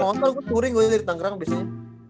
neng motor gue turing gue dari tangerang biasanya